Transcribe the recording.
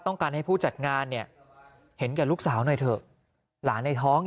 ต้องการให้ผู้จัดงานเนี่ยเห็นแก่ลูกสาวหน่อยเถอะหลานในท้อง